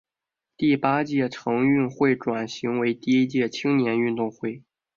第八届城运会转型为第一届青年运动会。